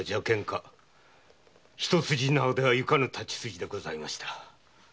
一筋縄ではゆかぬ太刀筋でございました。